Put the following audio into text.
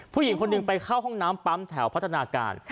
ผู้หญิงคนหนึ่งไปเข้าห้องน้ำปั๊มแถวพัฒนาการ